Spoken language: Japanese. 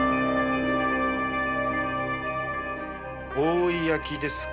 覆い焼きですか？